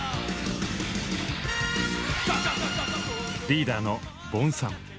リーダーのＢＯＮさん。